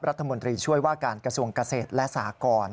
รัฐมนตรีช่วยว่าการกระทรวงเกษตรและสหกร